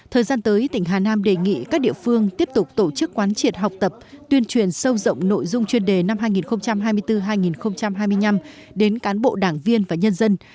hội nghị được truyền hình sâu rộng nội dung chuyên đề năm hai nghìn hai mươi bốn hai nghìn hai mươi năm đến cán bộ đảng viên và nhân dân